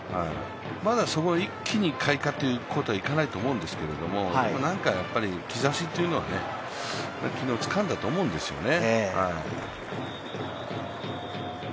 一気に開花ということはいかないと思うんですけど、なんかやっぱり兆しというのは、昨日つかんだと思うんですよね。